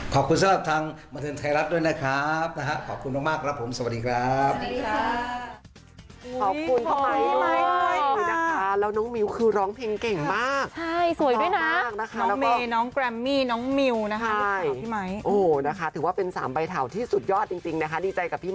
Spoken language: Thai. สำหรับทางบันเทิงไทยรัฐด้วยนะครับนะฮะขอบคุณมากครับผมสวัสดีครับ